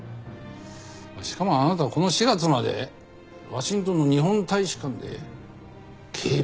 しかもあなたはこの４月までワシントンの日本大使館で警備を担当されていたとか。